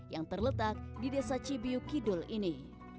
yang terletak di desa cibiu kidul ini